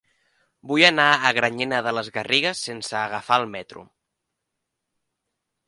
Vull anar a Granyena de les Garrigues sense agafar el metro.